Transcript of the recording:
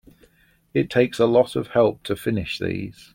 It takes a lot of help to finish these.